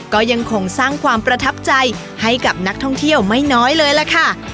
ก็ยังคงสร้างความประทับใจให้กับนักท่องเที่ยวไม่น้อยเลยล่ะค่ะ